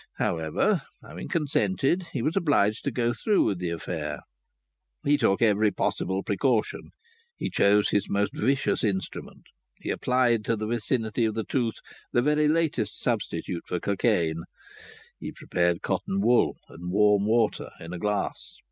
However, having consented, he was obliged to go through with the affair. He took every possible precaution. He chose his most vicious instrument. He applied to the vicinity of the tooth the very latest substitute for cocaine; he prepared cotton wool and warm water in a glass.